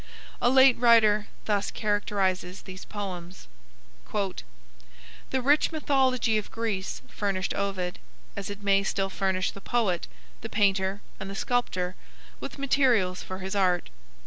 A late writer thus characterizes these poems: "The rich mythology of Greece furnished Ovid, as it may still furnish the poet, the painter, and the sculptor, with materials for his art.